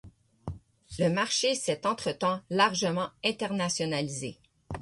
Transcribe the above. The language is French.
Le marché s'est entretemps largement internationalisé.